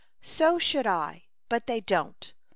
"So should I, but they don't.